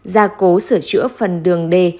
ra cố sửa chữa phần đường đê